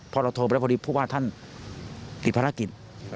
พอเราโทรไปแล้วพอดีผู้ว่าท่านติดภารกิจ